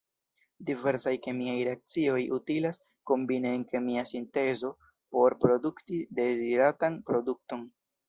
Diversaj kemiaj reakcioj utilas kombine en kemia sintezo por produkti deziratan produkton.